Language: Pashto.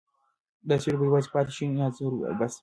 دا سیوری به یوازې یو پاتې شونی انځور وي او بس.